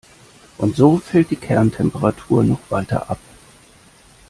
Und so fällt die Kerntemperatur noch weiter ab.